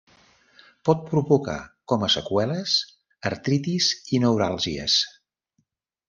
Pot provocar com a seqüeles artritis i neuràlgies.